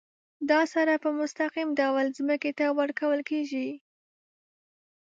دا سره په مستقیم ډول ځمکې ته ورکول کیږي.